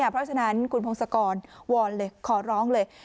เพราะฉะนั้นคุณพงศกรวอนเลยขอร้องเลย